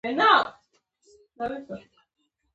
دا خبرې باید په پښتو ژبه ولیکل شي.